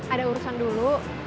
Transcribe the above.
ada urusan dulu